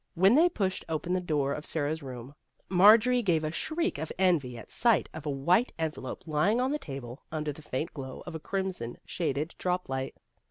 When they pushed open the door of Sara's room, Marjorie gave a shriek of envy at sight of a white envelope lying on the table under the faint glow of a crimson shaded drop light.